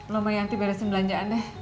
lo mak yanti beresin belanjaan deh